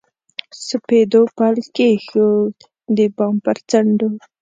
سپېدو پل کښېښود، د بام پر څنډو